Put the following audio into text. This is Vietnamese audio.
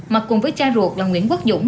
mà cùng với cha ruột là nguyễn quốc dũng